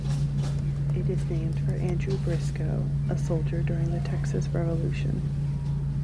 It is named for Andrew Briscoe, a soldier during the Texas Revolution.